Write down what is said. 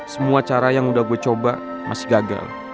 semua cara yang udah gue coba masih gagal